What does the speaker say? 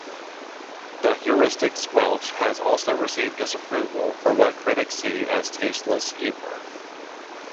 The "Heuristic Squelch" has also received disapproval for what critics see as tasteless humor.